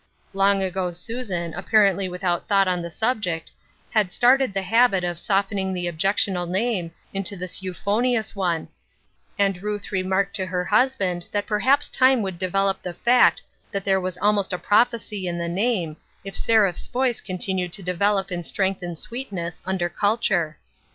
Long ago Susan, apparently without thought on the subject, had started the habit of softening the objectional name into this euphonious one j and Ruth remarked to her husband that perhaps time would develop the fact that there was a) 416 Ruth JErskine's Crosses, most a prophecy in the name, if Sereph's voice continued to develop in strength and sweetness, under culture.